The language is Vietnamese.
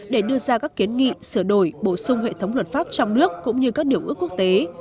để đưa ra các kiến nghị sửa đổi bổ sung hệ thống luật pháp trong nước cũng như các điều ước quốc tế